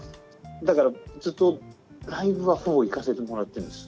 だからずっとライブはほぼ行かせてもらってるんです。